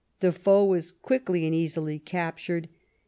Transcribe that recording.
Defoe was quickly and easily captured.